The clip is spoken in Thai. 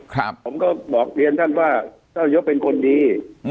ผมก็บอกเรียนท่านว่าท่านนายกเป็นคนดี